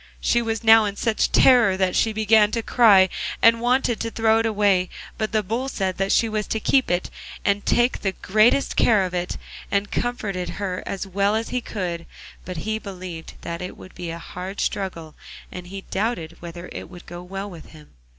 She was now in such terror that she began to cry, and wanted to throw it away, but the Bull said that she was to keep it, and take the greatest care of it, and comforted her as well as he could, but he believed that it would be a hard struggle, and he doubted whether it would go well with him.